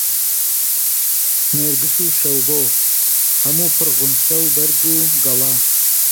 نێرگس و شەوبۆ هەموو پڕ غونچە و بەرگ و گەڵا